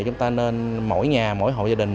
chúng ta nên mỗi nhà mỗi hộ gia đình